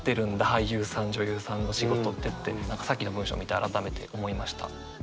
俳優さん女優さんの仕事ってって何かさっきの文章を見て改めて思いました。